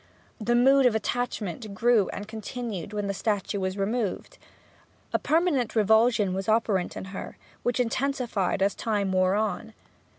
The mood of attachment grew and continued when the statue was removed. A permanent revulsion was operant in her, which intensified as time wore on.